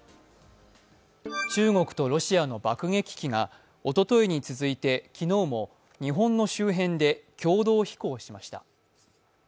中国とロシアの爆撃機がおとといに続いて昨日も日本の周辺で共同飛行しました。